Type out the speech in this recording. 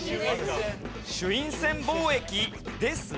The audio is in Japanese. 朱印船貿易ですが。